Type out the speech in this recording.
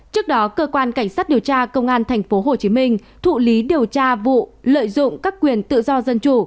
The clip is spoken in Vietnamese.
trước đó cơ quan cảnh sát điều tra công an tp hcm thụ lý điều tra vụ lợi dụng các quyền tự do dân chủ